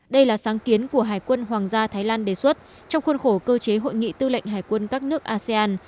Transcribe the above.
đây là sáng kiến của hải quân hoàng gia thái lan đề xuất trong khuôn khổ cơ chế hội nghị tư lệnh hải quân các nước asean